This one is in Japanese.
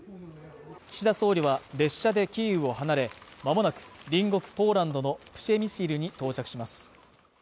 岸田総理は列車でキーウを離れまもなく隣国ポーランドのプシェミシルに到着します。